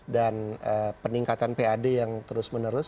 dan peningkatan pad yang terus menerus